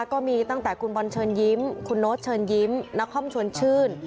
ก็มีตั้งแต่คุณบอลเชิญยิ้มคุณโน๊ตเชิญยิ้มนครชวนชื่น